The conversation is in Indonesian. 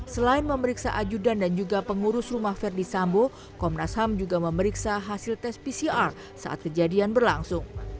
selain memeriksa ajudan dan juga pengurus rumah verdi sambo komnas ham juga memeriksa hasil tes pcr saat kejadian berlangsung